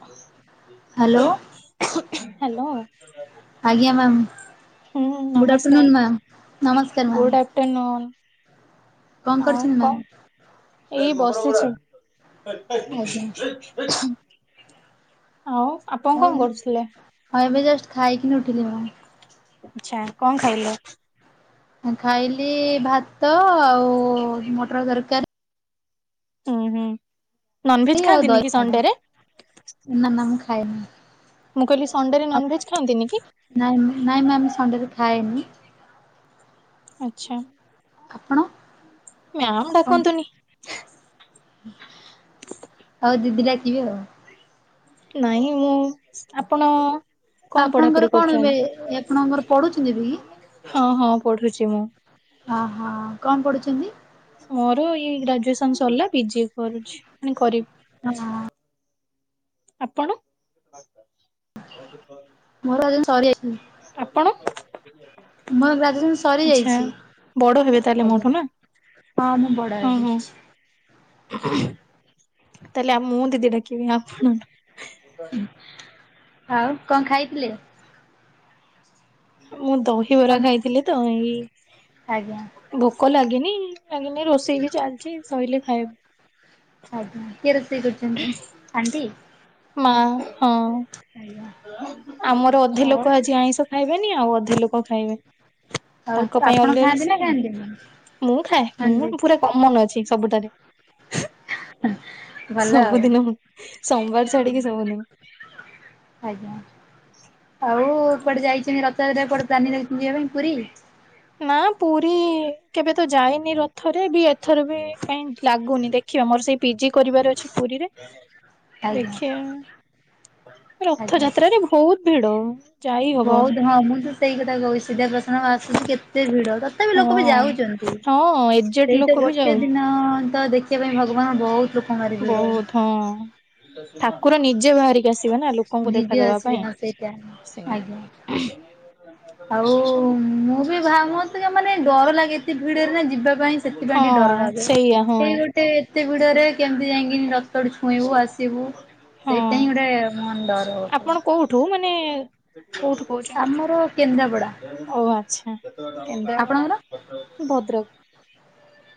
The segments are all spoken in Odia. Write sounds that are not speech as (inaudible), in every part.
ହଉ ହାଲୋ। ହାଲୋ। ଆଜ୍ଞା ମ୍ୟାମ୍ ହୁଁ ଗୁଡ଼୍ ଆଫ୍ଟରନୁନ୍ ମ୍ୟାମ୍ ନମସ୍କାର ନମସ୍କାର ମ୍ୟାମ୍। Good afternoon. କଣ ଆଉ କରୁଛନ୍ତି ମ୍ୟାମ୍ କଣ ଏଇ ବସିଛି। ଆଜ୍ଞା ଆଉ? ଆପଣ କଣ କରୁଥିଲେ? ହଁ ଏବେ ଜଷ୍ଟ ଖାଇକିନି ଉଠିଲି ମୁଁ। ଆଚ୍ଛା କଣ ଖାଇଲ? ଖାଇଲି ଭାତ ଆଉ ମଟର ତରକାରୀ। ହୁଁ ହୁଁ ନନଭେଜ ଆଉ ଖାଆନ୍ତିନି ଦହି କି ଆଜ୍ଞା। ସଣ୍ଡେ ରେ? ନା ନା ମୁଁ ଖାଏନି। ମୁଁ କହିଲି ସଣ୍ଡେରେ ନନଭେଜ୍ ଖାଆନ୍ତିି ନି କି? ନାଇଁ ନାଇଁ ମ୍ୟାମ ସଣ୍ଡେରେ ଖାଏନି। ଆଚ୍ଛା। ଆପଣ? ମ୍ୟାମ୍ କଣ ଡାକନ୍ତୁନି? ଆଉ ଦିଦି ଡାକିବି ଆଉ। ନାଇଁ ମୁଁ ଆପଣ କଣ ପଢାପଢି ଆପଣଙ୍କର କଣ କରୁଛନ୍ତି ଏବେ ଆପଣଙ୍କର ପଢୁଛନ୍ତି ବି? ହଁ ହଁ ପଢୁଛି ମୁଁ। ହଁ ହଁ କଣ ପଢ଼ୁଛନ୍ତି? ମୋର ଏଇ ଗ୍ରାଜୁଏସନ ସରିଲା ପିଜି କରୁଛି କରିବି। ହଁ। ଆପଣ? ମୋର ସରି ଯାଇଛି। ଆପଣ? ଗ୍ରାଜୁଏସନ୍ ଆଚ୍ଛା ସରିଯାଇଛି ବଡ ହେବେ ତାହେଲେ ଆଜ୍ଞା। ମୋଠୁ ନା? ହଁ ମୁଁ ବଡ ହଁ ହଁ। ହେଇଯାଇଛି। ତାହେଲେ ଆ ମୁଁ ଦିଦି ଡାକିବି ଆପଣ ଆଉ କଣ ଖାଇଥିଲେ? ମୁଁ ଦହିବରା କଣ ଖାଇଥିଲି ତ ଏଇ ଆଜ୍ଞା ଭୋକ ଲାଗିନି ଲାଗିନି ରୋଷେଇ ବି ଚାଲିଛି ଶଇଲେ ଖାଇବି। ଆଜ୍ଞା କିଏ ରୋଷେଇ କରୁଛନ୍ତି ଆଣ୍ଟି? ମା ହଁ। ଆଜ୍ଞା ଆମର ଅଧେ ଆଉ ଲୋକ ଆଜି ଆଇଁଷ ଖାଇବେନି ଆଉ ଅଧେ ଲୋକ ଖାଇବେ। ଆଉ ତାଙ୍କ ପାଇଁ ଆପଣ ଅଲଗା ର ଖାଆନ୍ତି ସେ ନା ଖାଆନ୍ତିନି? ମୁଁ ଖାଏ ମୁଁ ନନଭେଜ ପୁରା କମନ ଅଛି। ସବୁଠାରେ। ଭଲ ଆଉ ସବୁଦିନ ସୋମବାର ଛାଡିକି ସବୁଦିନ। ଆଜ୍ଞା। ଆଉ କୁଆଡେ ଯାଇଛନ୍ତି ରଥଯାତ୍ରା କୋଡେ ପାନ ପି ଯିବା ପାଇଁ ପୁରୀ? ନା ପୁରୀ କେବେ ତ ଯାଇନି ରଥରେ ବି ଏଥର ବି କାଇଁ ଲାଗୁନି ଦେ ଖିଆ ମୋର ସେଇ ପିଜି କରିବାର ଅଛି ପୁରୀରେ ଆଜ୍ଞା ଦେଖିବା ଆଜ୍ଞା। ରଥଯାତ୍ରାରେ ବହୁତ ଭିଡ ଯାଇ ବହୁତ ହବନି। ହଁ ମୁଁ ତ ସେ ସେଇ କଥା ସିଧା ପ୍ରସନ ଆସୁଛି କେତେ ଭିଡ ତଥାପି ହଁ। ଲୋକ ବି ଯାଉଛନ୍ତି। ହଁ ଏଜେଡ୍ ସେଇ ତ ଲୋକ ବି ଗୋଟେ ଯାଉ ଦିନ ତ ଦେଖିବା ପାଇଁ ଭଗବାନ ବହୁତ ଲୋକଙ୍କ ଭାରି ଭିଡ। ବହୁତ ହଁ ଠାକୁର ନିଜେ ବାହାରିକି ଆସୁ ଥିବେ ନା ଲୋକଙ୍କୁ ବିଜି ଦେଖାଦବା ଅଛି ପାଇଁ ହଁ ସେଇଟା ସେ ଆଜ୍ଞା। ଆଉ ମୁଁ ବି ଭାବତ ମାନେ ଡର ଲାଗେ ଏତ ଭିଡରେ ନା ଯିବା ପାଇଁ। ସେଥିପାଇଁ ହଁ ଟିକେ ଡର ଲାଗେ ସେଇଆ ହଁ ଏଇ ଗୋଟେ ଏତେ ଭିଡରେ କେମିତି ଯାଇକି ଟୁ ଛୁଇଁବୁ ଆସିବୁ ହଁ। ସେଇଟା ହିଁ ଗୋଟେ ମ ଡର ହ ଆପଣ କୋଉଠୁ ମାନେ କୋଉଠୁ କହୁଛନ୍ତି? ଆମର କେନ୍ଦ୍ରାପଡା ଓ ଆଚ୍ଛା କେନ୍ଦ୍ରାପଡା ଆପଣଙ୍କର? ମୁଁ ଭଦ୍ରକ।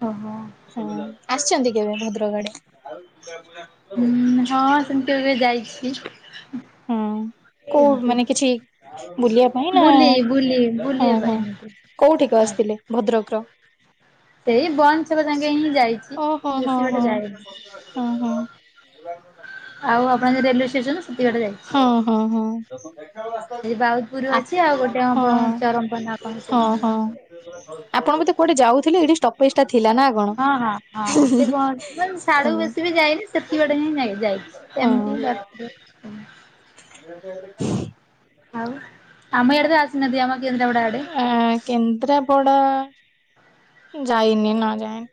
ଓହୋ। ହୁଁ ଆସିଛନ୍ତି କେବେ ଭଦ୍ରକ ଆଡେ? ହୁଁ ହଁ ସେମିତିବେ ଯାଇଛି। ହଁ କୋଉ ଏମତି। ମାନେ କିଛି ବୁଲିବା ପାଇଁ ନା? ବୁଲି ବୁଲି ହଁ ବୁଲିବା ପାଇଁ ହଁ। ଏମିତି କୋଉଠିିକ ଆଜ୍ଞା। ଆସିଥିଲେ ଭଦ୍ରକର? ସେଇ ବନ୍ଦ ଛକ ଯାଙ୍କେ ହିଁ ଯାଇଛି ହଁ ହଁ ହଁ ବେଶୀ ବାଟ ହଁ ଯାଏନି। ହଁ ଆଉ ଆପଣ ଯ ରେଲୱେ ଷ୍ଟେସନ ଏତିକି ବାଟ ଯାଇଛି ହଁ ହଁ ହଁ ହଁ ସେଠି ବାଉଦପୁର ଆ ଅଛି ଆଉ ଗୋଟେ ହଁ ଆପଣ ଚରମ୍ପନା ହଁ (unintelligible) ହଁ ଆପଣ ବଧେ କୁଆଡେ ଯାଉଥିଲେ ଏଠି ଷ୍ଟପେ ହଁ ହଁ ହଁ ସେ କହନ୍ତି ସାଢଡୁକୁ ହଁ ବେଶୀ ବି ଯାଇନି ସେତି ବାଟ ହିଁ ଯାଇଛି। ହଁ ସେମିତି (unintelligible) (unintelligible) ଆଉ ଆମେ ଇଆଡେ ତ ଆସିନହାନ୍ତି ଆମ କେନ୍ଦ୍ରାପଡ଼ା ଆଡେ। କେନ୍ଦ୍ରାପଡ଼ା ଯାଇନି ନା ଯାଇନି।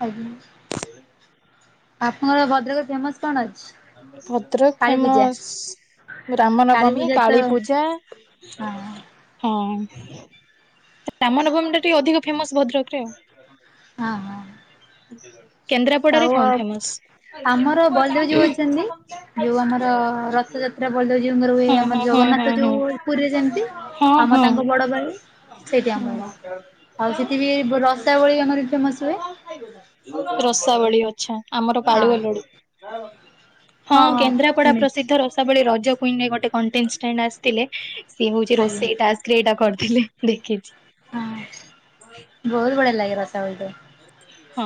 ଆଜ୍ଞା। (unintelligible) ଆପଣଙ୍କର ଭଦ୍ରକ ରେ ଫେମସ କଣ ଅଛି? ଭଦ୍ରକ କାଳୀ ପୂଜା ଫେମସ ରାମ କାଳୀ ନବମୀ, ପୂଜା ତ କାଳୀ ହଁ ପୂଜା ହଁ ରାମନବମୀ ଟା ଟିକେ ଅଧିକ ଫେମସ ଭଦ୍ରକ ରେ ଆଉ। ହଁ ହଁ। (unintelligible) କେନ୍ଦ୍ରାପଡାରେ ଆଉ କଣ ଫେମସ? ଆମର ବଳଦେବ ଜୀଉ ଅଛନ୍ତି ବଳଦେବଜୀଉଙ୍କର ହୁଏ ଆମର ଜଗନ୍ନାଥ ଯୋଉ ପୁରୀରେ ଯେମିତି ଆମ ତାଙ୍କ ବଡ ଭାଇ ସେଇଠି (inaudible) ହୁଁ ଆମର ନମସ୍କାର। ଆଉ ସେଠି ବି ବ୍ -ରସାବଳି ଆମର ଫେମସ ହୁଏ। ରସାବଳି ଅଛା ଆମର ହଁ ପାଲୁଆ ଲଡୁ। ହଁ କେନ୍ଦ୍ରାପଡା ପ୍ରସିଦ୍ଧ ର ସେତେବେଳେ ରଜ କୁଇନରେ ଗୋଟେ କଣ୍ଟେଷ୍ଟାଣ୍ଟ ଆସିଥିଲେ ସିଏ ହଉଛି ଆଜ୍ଞା ରୋଷେଇଟାସ୍କ ରେ ଏଟା କରିଥିଲେ ମୁଁ ଦେଖିଛି। ହଁ ବହୁତ ବଢିୟା ଲାଗେ ରାସାବଳୀ ଟ। ହଁ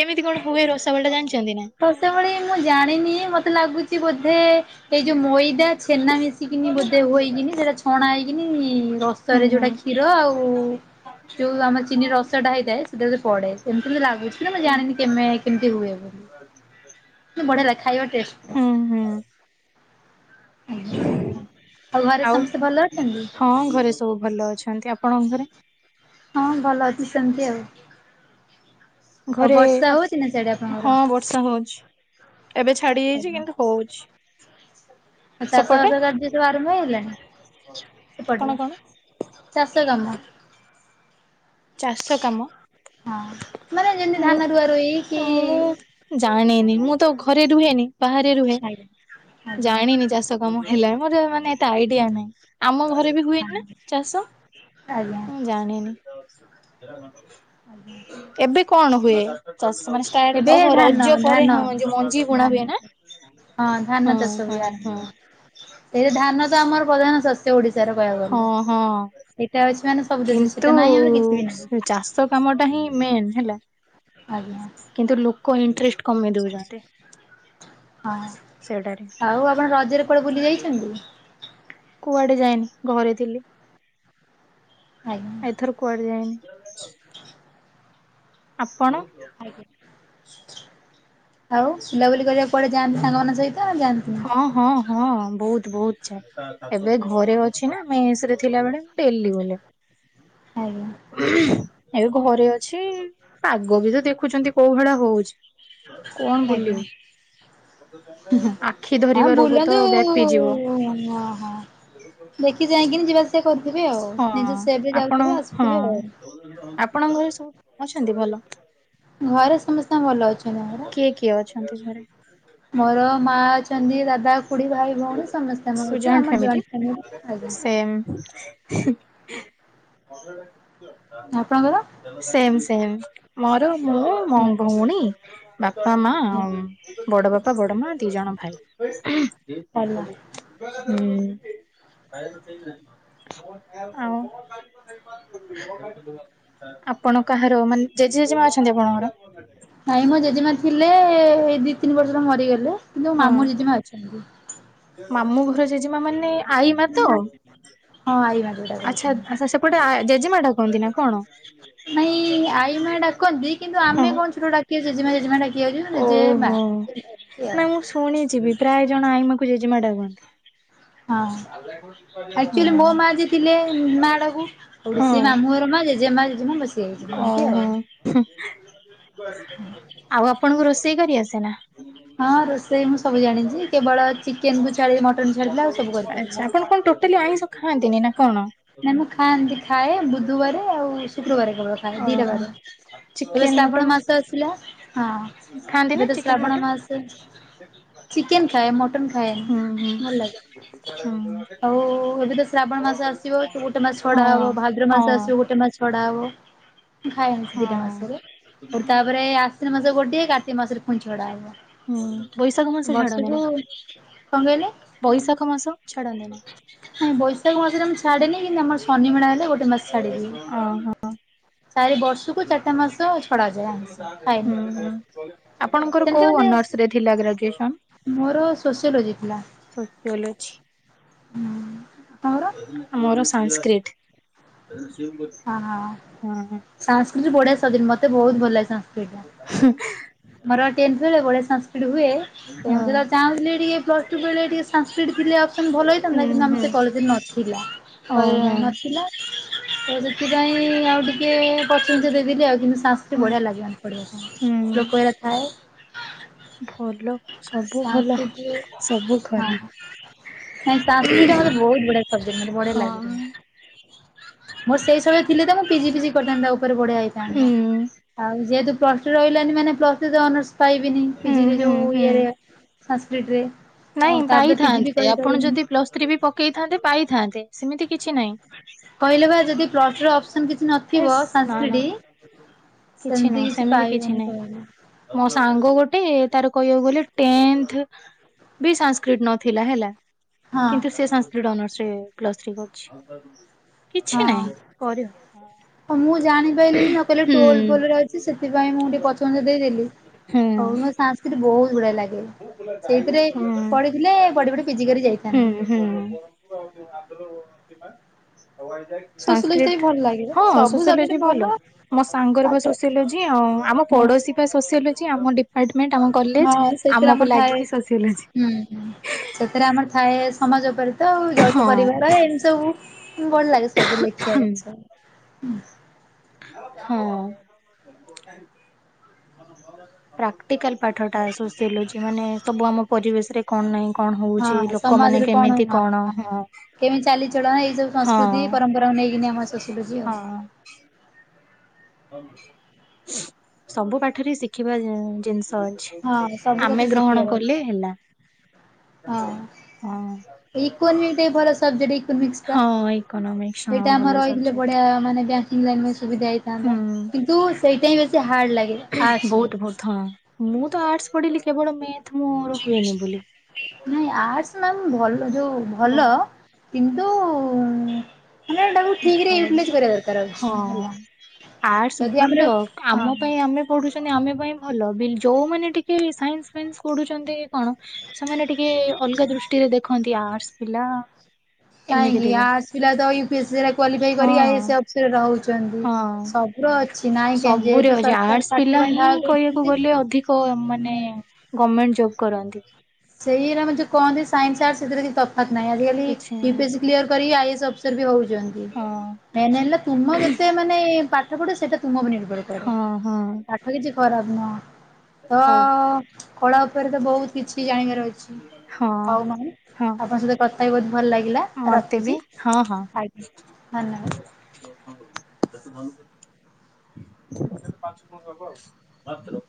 କେମିତି କଣ ହୁଏ ରାସାବଳୀ ଟା ଜାଣିଛନ୍ତି ନା? ରାସାବଳୀ ମୁଁ ଜାଣିନି ମତେ ଲାଗୁଛି ବୋଧେ- ଏଇ ଯୋଉ ମଇ ଦା ଛେନା ମିଶିକିନି ବୋଧେଇକିନି ସେଟା ଛଣା ହେଇକି ହୁଁ ରସରେ ହୁଁ ଯୋଉଟା କ୍ଷୀର ଆଉ ଯୋଉ ଆମର ଚିନି ରସଟା ହେଇଥାଏ ସେଟା ପଡେ ସେମିତି କେମତି ଲାଗୁଛି ନା ମୁଁ ଜାଣିନି କେ କେମିତି ହୁଏବ। ବଢିଆ ଲା ଖାଇବା ଟେଷ୍ଟ ଟା। ହୁଁ ହୁଁ ଆଜ୍ଞା। ଘରେ ଆଉ ସମସ୍ତେ ଭଲ ଅଛନ୍ତି? ହଁ ଘରେ ସବୁ ଭଲ ଅଛନ୍ତି। ଆପଣଙ୍କ ଘରେ? ହଁ ଭଲ ଅଛି ସେମିତି ଆଉ ଆଉ ଘରେ ବର୍ଷା ହଉଛି ନା ସେଆଡେ ଆପଣଙ୍କର? ହଁ ବର୍ଷା ହଉଛି ଏବେ ଛାଡି ଯାଇଛି ଆଜ୍ଞା। କିନ୍ତୁ ହଉଛି। ଆଉ ଚାଷ ସେପଟେ ବାସ କାର୍ଯ୍ୟ ସବୁ ଆରମ୍ଭ ହେଇ ହେଲାଣି କଣ ସେପଟରେ? କଣ ଚାଷ କାମ? ଚାଷ କାମ ହଁ ମାନେ ଯେମିତି ମୁଁ ଧାନ ରୁଆ ରୋଇ କି ମୁଁ ଜାଣିନି ମୁଁ ତ ଘରେ ରୁହେନି ବାହାରେ ରୁହେ ଆଜ୍ଞା। ଆଜ୍ଞା ଜାଣିନି ଚାଷ ହେଲା ମୋର ମେ ଏତେ ଆଇଡିଆ ନଁ ଆମ ଘରେ ବି ହୁଏନି ନା ଚାଷ ଆଜ୍ଞା ମୁଁ ଜାଣିନି। ଆଜ୍ଞା (inaudible) ଏବେ କଣ ହୁଏ ଚାଷ ମାନେ ଷ୍ଟାର୍ଟ ଏବେ ଓହୋ ଧାନ ରଜ ପରେ ଧାନ ହଁ ଯୋଉ ମଞ୍ଜି ବୁଣା ଧାନ। ହୁଏ ନା? ହଁ ଧାନ ଚାଷ ହଁ ବି ହଁ ଆରମ୍ଭ ଏ ଧାନ ତ ଆମର ପ୍ରଧାନ ଶସ୍ୟ ଓଡିଶାର କହିଆକୁ ଗଲେ। ହଁ ହଁ। ଏଇଟା ଅଛି ମାନେ ସବୁ ଦେ ସେଇଟା ନାହିଁ ଆମର କିଛି ବି ନାହିଁ। ଶ୍ କାମଟା ହିଁ ମେନ୍ ହେଲା। ଆଜ୍ଞା। କିନ୍ତୁ ଲୋକ ଇଣ୍ଟରେଷ୍ଟ କମେଇ ଦଉଛନ୍ତି। ହଁ ସେଇଟାରେ। ଆଉ ଆପଣ ରଜରେ କୁଆଡେ ବୁଲି ଯାଇଛନ୍ତି? କୁଆଡେ ଯାଇନି ଘରେ ଥିଲି। ଆଜ୍ଞା। ଏଥର କୁଆଡେ ଯାଇନି। ଆପଣ? ଆଉ ବୁଲାବୁଲି କରିବାକୁ କୁଆଡେ ଯାଆନ୍ତି ସାଙ୍ଗମାନଙ୍କ ସହିତ ନା ଯାଆନ୍ତିନି? ହଁ ହଁ ହଁ ବହୁତ ବହୁତ ଯାଏ। ଏବେ ଘରେ ଅଛି ନା ମେସ ରେ ଥିଲାବେଳେ ମୁଁ ଡେଲି ବୁଲେ। ଆଜ୍ଞା। ଏବେ ଘରେ ଅଛି, ପାଗ ବି ତ ଦେଖୁଛନ୍ତି କୋଉ ଭଲ ହଉଛି। କଣ ବୁଲିବୁ ଆଜ୍ଞା। ଆଖି ଧରିବା ଆଁ ରୋଗ ତ ବୁଲନ୍ତୁ ବ୍ୟାପିଯିବ। ହ। ଦେଖି ଚାହିଁକିନି ଯିବା ଆସିବା କରୁଥିବେ ଆଉ ହଁ ନିଜ ସେଫ ରେ ଆପଣ ଯାଉଥିବେ ହଁ ଆସୁଥିବେ ଆଉ। ଆପଣଙ୍କ ଘରେ ସବୁ ଅଛନ୍ତି ଭଲ? ଘରେ ସମସ୍ତେ ଭଲ ଅଛ କିଏ କିଏ ଅଛନ୍ତି ଘରେ? ମୋର ମା ଛନ୍ତି ଦାଦା, ଖୁଡ଼ୀ, ଭାଇ, ଭଉଣୀ ସମସ୍ତେ ଆମେ ସବୁ ଅଛୁ ଆମର ଫ୍ୟାମିଲି ଜଏଣ୍ଟ ଫ୍ୟାମିଲି ସେମ୍। (unintelligible) ଆପଣଙ୍କର? ସେମ ସେମ ମୋର ମୁଁ ମୋ ଆଜ୍ଞା ଭଉଣୀ, ବାପା, ମା, ଆଉ ବଡ ବାପା, ବଡ ମା, ଦି ଜଣ ଭାଇ। ଭଲ। ହୁଁ, ଆଉ ଆପଣ କାହାର ମାନେ ଜେଜେ ଜେଜେମା ଅଛନ୍ତି ଆପଣଙ୍କର? ନାଇଁ ମୋ ଜେଜେମା ଥିଲେ ଏଇ ଦି ତିନି ବର୍ଷର ମରିଗଲେ କିନ୍ତୁ ମୋ ହଁ ମାମୁଁ ଜେଜେମା ଅଛନ୍ତି। ମାମୁଁ ଘର ଜେଜେମା ମାନେ ଆଈ ମା ତ? ହଁ ଆଇମା। ଆଚ୍ଛା ଆଛା ସେପଟେ ଜେଜେମା ଡାକନ୍ତି ନା କଣ? ନାଇଁ ଆଈ ମା ଡାକନ୍ତି କିନ୍ତୁ ହଁ। ଆମେ କଣଛୁ ଡାକି ଜେଜେମା ଜେଜେମା ଡାକି ଆଉଛେ ଜେଜେମା। ଓହୋ (unintelligible) ନା ମୁଁ ଶୁଣିଚି ବି ପ୍ରାୟ ଜଣ ଆଈମାକୁ ଜେଜେମା ଡାକନ୍ତି। ହଁ ଆକଚୁଆଲି ମୋ ମା ଯେ ଥିଲେ ମା ଡାକୁ ଆଉ ସିଏ ହଁ ମାମୁଁର ମା ଜେଜେ ମା ଜେଜି ମୁଁ ବସି ହେଇଛି ଏମିତି ଓହୋ ଆଉ। ହୁଁ, ଆଉ ଆପଣଙ୍କୁ ରୋଷେଇ କରି ଆସେ ନା? ହଁ ରୋଷେଇ ମୁଁ ସବୁ ଜାଣିଛି କେବଳ ଚିକେନ କୁ ଛାଡି ମଟନ ଛାଡି ଦେଲେ ଆଉ ସବୁ ଆଚ୍ଛା କରିପାରିବି। ଆପଣ କଣ ଟୋଟାଲି ଆଇଁଷ ଖାଆନ୍ତିନି ନା? କଣ? ନାଇ ମୁଁ ଖାଆନ୍ତି ଖାଏ ବୁଧବାର ଆଉ ଶୁକ୍ରବାର କେବଳ ଖାଏ ଦି ଟା ଓହୋ ବାର। ଏବେ ଚିକେନ ମଟନ ଶ୍ରାବଣ ମାସ ଆସିଲା, ହଁ। ଖାଆନ୍ତି ନା ଗୋଟେ ଚିକେନ ଶ୍ରାବଣ ମଟନ? ମାସ ଚିକେନ ଖାଏ ମଟନ ଖାଏନି ହୁଁ ହୁଁ ହୁଁ ଭଲ ଲାଗେ ଆଉ ଏବେ ତ ଶ୍ରାବଣ ମାସ ଆସିବ ତ ଗୋଟେ ମାସ ହଁ ଛଡା ହବ, ଭାଦ୍ରବ ମାସ ହଁ ଆସିବ ଗୋଟେ ମାସ ଛଡା ହବ। ମୁଁ ଖାଏନି ହଁ ଦିଟା ମାସରେ। ହେଟୁ ତାପରେ ଆଶ୍ଵିନ ମାସ ଗୋଟେ କାର୍ତିକ ମାସରେ ପୁଣି ଛଡା ହବ। ହୁଁ ବୈଶାଖ ମାସ ଛାଡନ୍ତି ନା ବର୍ଷକୁ, କଣ କହିଲେ? ବୈଶାଖ ମାସ ଛାଡ଼ନ୍ତିିନି? ହଁ ବୈଶାଖ ମାସରେ ମୁଁ ଛାଡେନି କିନ୍ତୁ ଆମର ଶନି ମେଳା ହେଲେ ଗୋଟେ ମାସ ଛାଡିଦିଏ। ଓହୋ ହୁଁ ସାଇ ବସ। ହୁଁ ଖାଏନି ଟୋଟାଲ। ଆପଣଙ୍କର ସେମିତି କୋଉଁ ମତେ ଅନର୍ସ? ଥିଲା ଗ୍ରାଜୁଏସନ୍ ମୋର ସୋସିଓଲୋଜି ଥିଲା। (unintelligible) ଅଛି। ହୁଁ। ମୋର ସାଂକ୍ରିଟ। ହଁ ସାସ୍କ୍ରିଟି ବଢ଼ିଆ ସବଜେକଟ ମତେ ବହୁତ ଭଲ ଲାଗେ ସାସ୍କ୍ରିଟ। (inaudible) ମୋର ଟେନ୍ଥେ ବେଳେ ବଢ଼ିଆ ସାସ୍କ୍ରିଟି ହୁଏ। ସେଇ ହଁ ଅନୁସାରେ ସାସ୍କିଟ ଟିକେ ପ୍ଲସ ଟୁ ବେଳେ ଟିକେ ସାସ୍କିଟ ଥିଲେ ଅପସନ ଭଲ ହୁଁ ହେଇଥାନ୍ତା କିନ୍ତୁ ଆମେ ହୁଁ ସେ କଲେଜରେ ନଥିଲା। ହେଲେ ଓହୋ ନଥିଲା ତ ସେଥିପାଇଁ ଆଉ ଟିକେ ଅପସନ ଦେଇଦେଲି ଆଉ କିନ୍ତୁ ସାସ୍କ୍ରିଟି ହୁଁ ବଢ଼ିଆ ଲାଗେ ପଡ଼ିବା ପାଇଁ ହୁଁ। ଶ୍ଳୋକ ହେରିକା ଥାଏ। ଭଲ ସବୁ ଭଲ ସାଂସ୍କ୍ରିଟରେ ସବୁ ଖରାପ ସାଂସ୍କୃଟି ମତେ ବହୁତ ବଢିଆ ସବଜେକ୍ଟ ମତେ ବଢିଆ ହଁ ଲାଗେ। ମୋ ସେଇ ସମୟ ରେ ଥିଲେ ତ ମୁଁ ପିଜି ଫିଜି କରିଥାନ୍ତି ତା ଉପରେ ବଢ଼ିଆ ହେଇଥାନ୍ତା। ହୁଁ। ଆଉ ଯେହେତୁ ପ୍ଲସ ଟୁ ରହିଲାନି ମାନେ ପ୍ଲସ ଥ୍ରୀ ଅନର୍ସ ପାଇବିନି ହୁଁ ପିଜିରେ ହୁଁ ଯୋଉଁ ହୁଁ ଇଏରେ ସାସ୍କିଟ୍ ରେ ନାଇଁ ପାଇଥାନ୍ତେ ଆପଣ ଯଦି ପ୍ଲସ୍ ଥ୍ରୀ ବି ପକେଇଥାନ୍ତେ ପାଇଥାନ୍ତେ ସେମିତି କିଛି ନାଇଁ। କହିଲେ ବା ଯଦି ପ୍ଲସ ଟୁ ରେ ଅପସନ କିଛି ହେସ୍ ନଥିବ ନା ନା ସାସ୍କ୍ରିଟି ସେମିତି କିଛି ପାଇବନି କହିଲେ। ମୋ ସାଙ୍ଗ ଗୋଟେ ତାର କହିବାକୁ ଗଲେ ଟେନ୍ଥେ ବି ସାସ୍କ୍ରିଟି ନଥିଲା ହେଲା ହଁ କିନ୍ତୁ ସେ ସା ଟି ଅନର୍ଷ ରେ ପ୍ଲସ ଥ୍ରି କରୁଚି କିଛି ହଁ। ନାଇଁ କରି ହଁ ମୁଁ ଜାଣିପାରିଲିନି ନା କହିଲେ ଟୋଲ ଫୋଲ ଅଛି ସେଥିପାଇଁ ମୁଁ ଟିକେ ପଛ ଘୁଞ୍ଚା ଦେଇଦେଲି। ହଉ ମୋ ସାସ୍କିଟି ବହୁତ ବଢିଆ ଲାଗେ ସେଇଥିରେ ହୁଁ। ପଢ଼ିଥିଲେ ପଢ଼ି ପଢ଼ି ପିଜି କରି ଯାଇଥାନ୍ତି। ଉଁ ହୁଁ ସୋସିଓଲୋଜି ଟା ବି ସାସ୍କ୍ରିଟ ଭଲ ଲାଗେ ହଁ ସବୁ ସବଜେକ୍ଟ ସୋସିଓଲୋଜି ଭଲ। ମୋ ସାଙ୍ଗର ବା ପାଠ ସୋସିଓଲୋଜି ଆଉ ଆମ ହଁ ପଡୋଶୀ ବା ସୋସିଓଲୋଜି ଆମ ଡିପାର୍ଟମେଣ୍ଟ ଆମ କଲେଜ ହଁ ସେଥିରେ ଆମର ଆମକୁ ଥାଏ ଲାଗିକି ସୋସିଓଲୋଜି। ହୁଁ ସେଥିରେ ଆମର ଥାଏ ସମାଜ ଉପରେ ତ ହଁ ଯୌଥ ପରିବାର ଏମିତି ସବୁ ଭଲ ଲାଗେ ସବୁ ଲେଖିବା ପାଇଁ ସବୁ ହୁଁ ପ୍ରାକ୍ଟିକାଲ ପାଠ ଟା ସୋସିଓଲୋଜି ମାନେ ସବୁ ଆମ ପରିବେଶ ରେ କଣ ନାଇଁ କଣ ହଉଚି ହଁ ଲୋକମାନେ ସମାଜରେ କେମିତି ହଁ କଣ ହଁ। କେମିତି ଚାଲିଚଳନା ଏଇ ସବୁ ହଁ ସଂସ୍କୃତି ପରମ୍ପରାକୁ ନେଇକିନି ଆମ ସୋସିଓଲୋଜି। ହଁ। ସବୁ ପାଠରେ ଶିଖିବା ଇଂ ଜିନିଷ ଅଛି। ହଁ ସବୁ କଥା ଆମେ ଗ୍ରହଣ ଶିଖିବାର ଅଛି କଲେ ହେଲା। ହଁ ଇକୁନିଟି ଭରସ (unintelligible) ହଁ ଇକୋନୋମିକ୍ସ ହଁ ସେଇଟା ଆମର ଭଲ ରହିଥିଲେ ସବଜେକ୍ଟ। ବଢ଼ିଆ ମାନେ ଅନଲାଇନ ପାଇଁ ସୁବିଧା ହେଇଥାନ୍ତା। ହୁଁ କିନ୍ତୁ ସେଇଟା ହିଁ ବେଶୀ ହାର୍ଡ଼ ଲାଗେ। ଆର୍ଟସ ବହୁତ ରେ। ବଧ। ମୁଁ ତ ଆର୍ଟସ୍ ପଢିଲି କେବଳ ମେଥ୍ ମୋର ହୁଏନି ବୋଲି। ନାଇଁ ଆର୍ଟସ ନାଇ ଭ ଯୋଉଁ ଭଲ ବ- କିନ୍ତୁ ମାନେ ଏଟାକୁ ଠିକରେ ୟୁଟିଲାଇଜ୍ ଭଲ କରିବା ଦରକାର ଅଛି ହେଲା। ଆର୍ଟସ୍ ଯଦି ଆମର ଭଲ ଆମ ହଁ ପାଇଁ ଆମେ ପଢୁଛନ୍ତି ଆମେ ପାଇଁ ଭଲ ଯୋଉଁମାନେ ଟିକେ ସାଇନ୍ସ ଫାଇନ୍ସ ପଢୁଛନ୍ତି କଣ ସେମାନେ ଟିକେ ଅଲଗା ଦୃଷ୍ଟିରେ ଦେଖନ୍ତି ଆଟର୍ସ ପିଲା। ଏମିତି କାହିଁକି ଟିକେ ଆର୍ଟ୍ସ ପିଲା ତ ୟୁ ପି ଏସ୍ ସରେ କ୍ୱାଲିଫାଇ ହଁ କରି ଆଇଏଏସ୍ ଅଫ ସିରେ ରହୁଛନ୍ତି ହଁ। ସବୁର ଅଛି ନାଇଁ କି, ସବୁରେ ଯେହେତୁ ଅଛି ସରକାର ପାଠ ପାଇଁ ବାହାର କରୁଛନ୍ତି। କ ମାନେ, ହୁଁ। ଗମେଣ୍ଟ ଜବ କରନ୍ତି। ସେଇରା ଏମତି କହନ୍ତି ସାଇନ୍ସ ଆର୍ଟ୍ସ ସେଥିରେ କିଛି ତଫାତ ନହିଁ ଆଜିକାଲି କିଛି ୟୁିପିଏସି କ୍ଲିୟର କରି ଆଇଏସ ଅଫିସ ଫିରଭି ହଉଚନ୍ତି, ହଁ ମେନ ହେଲା ତୁମ କେତେ ମାନେ ପାଠ ପଢ଼ିବ ସେଇଟା ତୁମ ଉପରେ ନିର୍ଭର ହଁ ହଁ ପାଠ କିଛି ଖରାପ ନୁହଁ, ତ ହଉ କଳା ଉପରେ ତ ବହୁତ କିଛି ଜାଣିବାର ଅଛି, ହଁ ହଉ ମାମ ହଁ ଆପଣଙ୍କ ସହିତ କଥା ହେଇକି ବହୁତ ଭଲ ଲାଗିଲା। ମତେ ବି ରଖୁଛି ହଁ ହଁ ଆଜ୍ଞା ଧନ୍ୟବାଦ। ହଁ (unintelligible) (unintelligible)